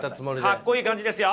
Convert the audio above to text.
かっこいい感じですよ！